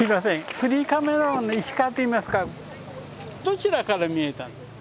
フリーカメラマンの石川といいますがどちらから見えたんですか？